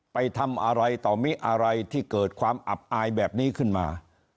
ไปทำอะไรต่อมิอะไรที่เกิดความอับอายแบบนี้ขึ้นมา